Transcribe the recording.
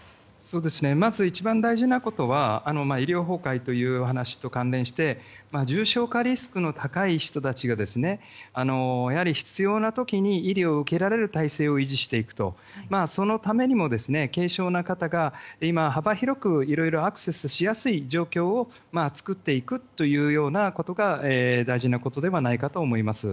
まず一番大事なことは医療崩壊というお話と関連して重症化リスクの高い人たちが必要な時に医療を受けられる体制を維持していくとそのためにも軽症の方が幅広く、いろいろアクセスしやすい状況を作っていくというようなことが大事なことではないかと思います。